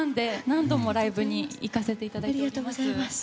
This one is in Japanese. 何度もライブに行かせていただいています。